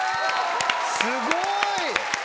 すごい！